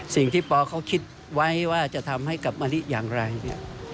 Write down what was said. ปอเขาคิดไว้ว่าจะทำให้กับมะลิอย่างไรเนี่ย